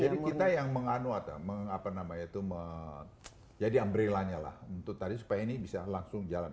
jadi kita yang menganuat apa namanya itu jadi umbrella nya lah untuk tadi supaya ini bisa langsung jalan